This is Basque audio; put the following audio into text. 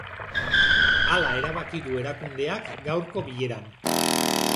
Hala erabaki du erakundeak gaurko bileran.